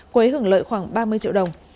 quế hưởng lợi khoảng ba mươi triệu đồng